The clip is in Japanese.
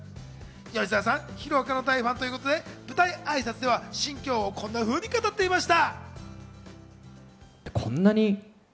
吉沢さん、『ヒロアカ』の大ファンということで、舞台挨拶では心境をこんなふうに語っていました。